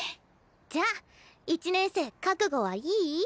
じゃあ１年生覚悟はいい？